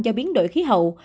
do biến đổi khí hậu